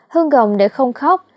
hương gồng để không khóc